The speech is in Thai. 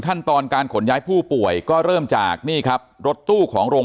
ขั้นตอนการขนย้ายผู้ป่วยก็เริ่มจากนี่ครับรถตู้ของโรง